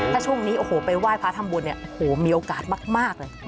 ถ้าช่วงนี้โอ้โหไปไหว้พระทำบุญเนี่ยโอ้โหมีโอกาสมากเลย